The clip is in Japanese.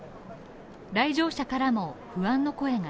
来場者からも不安の声が。